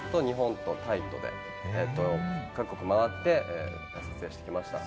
フランスと日本とタイとで、各国を回って撮影してきました。